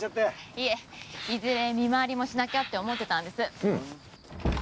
いえいずれ見回りもしなきゃって思ってたんです。